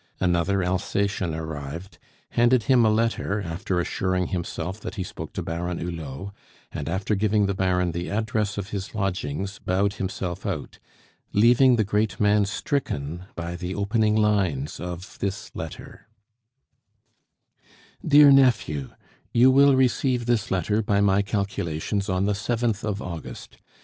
Another Alsatian arrived, handed him a letter, after assuring himself that he spoke to Baron Hulot, and after giving the Baron the address of his lodgings, bowed himself out, leaving the great man stricken by the opening lines of this letter: "DEAR NEPHEW, You will receive this letter, by my calculations, on the 7th of August.